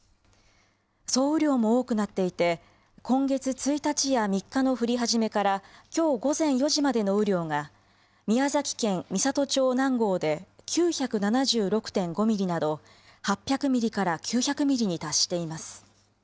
総雨量も多くなっていて今月１日や３日の降り始めからきょう午前４時までの雨量が宮崎県美郷町南郷で９７６．５ミリなど８００ミリから９００ミリに達しています。